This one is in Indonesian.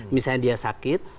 misalnya dia sakit